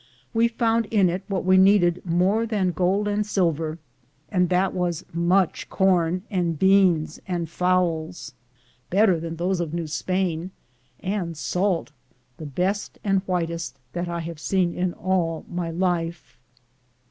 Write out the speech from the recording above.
We found in it what we needed more than gold and sil ver, and that was much corn and beans and fowls, better than those of New Spain, and salt, the best and whitest that I have seen in all my life.